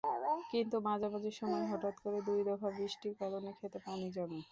কিন্তু মাঝামাঝি সময়ে হঠাৎ করে দুই দফা বৃষ্টির কারণে খেতে পানি জমে।